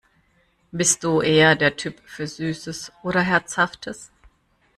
Bist du eher der Typ für Süßes oder Herzhaftes?